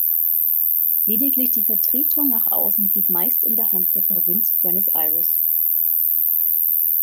Lediglich die Vertretung nach außen blieb meist in der Hand der Provinz Buenos Aires.